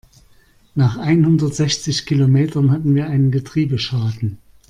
Nach einhundertsechzig Kilometern hatten wir einen Getriebeschaden.